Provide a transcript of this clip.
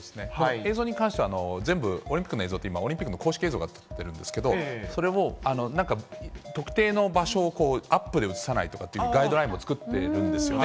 映像に関しては、全部、オリンピックの公式映像が映っているんですけど、それをなんか、特定の場所をアップで映さないとかいうガイドラインも作ってるんですよね。